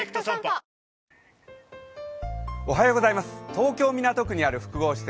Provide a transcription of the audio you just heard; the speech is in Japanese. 東京・港区にある複合施設